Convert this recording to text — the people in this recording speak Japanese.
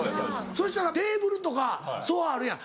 そしたらテーブルとかソファあるやん。